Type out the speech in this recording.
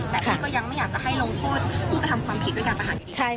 แต่พี่ก็ยังไม่อยากจะให้ลงโทษผู้กระทำความผิดด้วยการประหารชีวิต